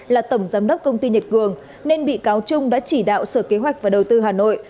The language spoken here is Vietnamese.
là tổng giám đốc công ty nhật cường nên bị cáo trung đã chỉ đạo sở kế hoạch và đầu tư hà nội